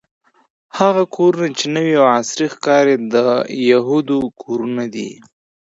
هغه کورونه چې نوې او عصري ښکاري د یهودو کورونه دي.